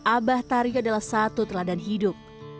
abah tari adalah satu teladan hidup